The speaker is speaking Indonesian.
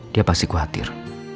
dia pasti khawatir